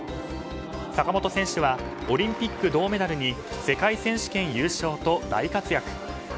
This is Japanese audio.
坂本選手はオリンピック銅メダルに世界選手権優勝と大活躍。